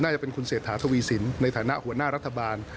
จะเป็นคุณเศรษฐาทวีสินในฐานะหัวหน้ารัฐบาล